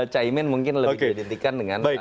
caimin mungkin lebih diidentikan dengan